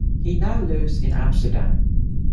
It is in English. He now lives in Amsterdam.